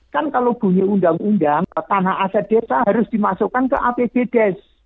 kan kalau bunyi undang undang tanah aset desa harus dimasukkan ke apbdes